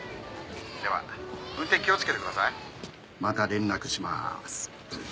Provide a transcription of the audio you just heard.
「では運転気をつけてください」また連絡しまーす。